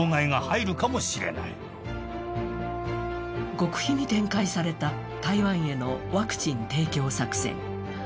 極秘に展開された台湾へのワクチン提供作戦。